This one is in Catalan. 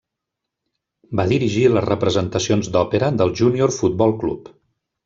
Va dirigir les representacions d'òpera del Júnior Futbol Club.